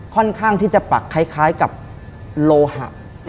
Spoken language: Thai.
ค่อนข้างที่จะปักคล้ายกับโลหะ